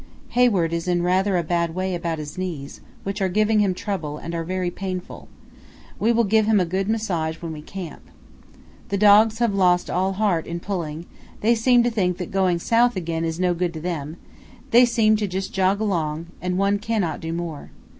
Hayward is in rather a bad way about his knees, which are giving him trouble and are very painful; we will give him a good massage when we camp. The dogs have lost all heart in pulling; they seem to think that going south again is no good to them; they seem to just jog along, and one cannot do more.